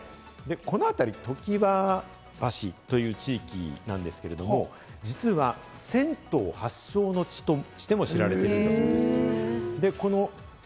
このあたり、常盤橋という地域なんですけれど、実は銭湯発祥の地としても知られるということなんですね。